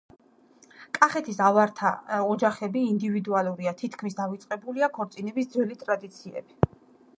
კახეთის ავართა ოჯახები ინდივიდუალურია, თითქმის დავიწყებულია ქორწინების ძველი ტრადიციები.